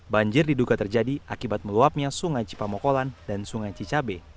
banjir diduga terjadi akibat meluapnya sungai cipamokolan dan sungai cicabe